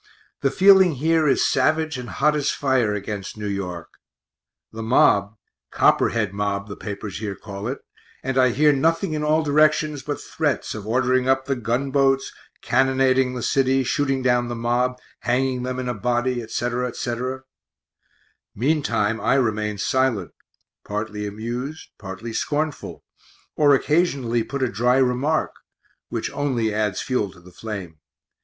The feeling here is savage and hot as fire against New York (the mob "Copperhead mob" the papers here call it), and I hear nothing in all directions but threats of ordering up the gunboats, cannonading the city, shooting down the mob, hanging them in a body, etc., etc. Meantime I remain silent, partly amused, partly scornful, or occasionally put a dry remark, which only adds fuel to the flame.